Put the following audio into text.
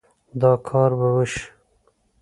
دا کار به وشي